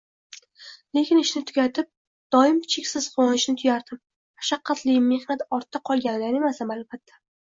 Lekin ishni tugatib, doim cheksiz quvonchni tuyardim mashaqqatli mehnat ortda qolganidan emas, albatta